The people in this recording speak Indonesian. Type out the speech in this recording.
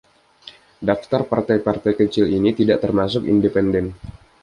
Daftar partai-partai kecil ini tidak termasuk independen.